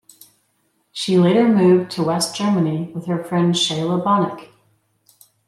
She later moved to West Germany with her friend Sheyla Bonnick.